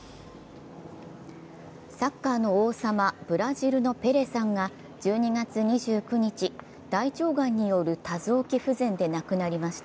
サッカーの王様、ブラジルのペレさんが１２月２９日、大腸がんによる多臓器不全で亡くなりました。